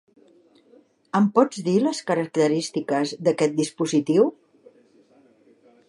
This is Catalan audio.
Em pots dir les característiques d'aquest dispositiu?